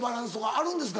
あるんですか？